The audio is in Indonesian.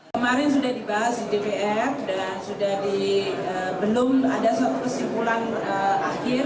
kemarin sudah dibahas di dpr dan sudah di belum ada suatu kesimpulan akhir